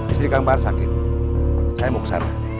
istri kang bahar sakit saya mokser